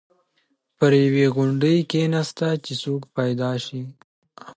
پر یوې غونډۍ کېناسته چې څوک پیدا شي.